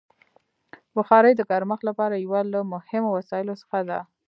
بخاري د ګرمښت لپاره یو له مهمو وسایلو څخه ده.